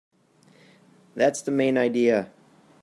That's the main idea.